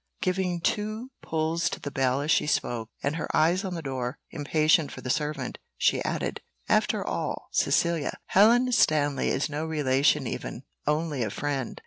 _" Giving two pulls to the bell as she spoke, and her eyes on the door, impatient for the servant, she added "After all, Cecilia, Helen Stanley is no relation even only a friend.